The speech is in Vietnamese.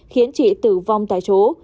khiến chị tử vong tại chỗ